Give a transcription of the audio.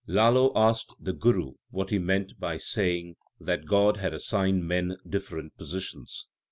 2 Lalo asked the Guru what he meant by saying that God had assigned men different positions.